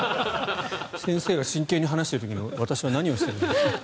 先生が真剣に話している時に私は何をしているんだ。